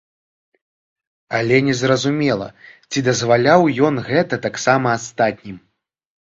Але не зразумела, ці дазваляў ён гэта таксама астатнім.